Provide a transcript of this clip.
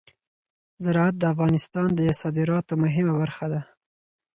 زراعت د افغانستان د صادراتو مهمه برخه ده.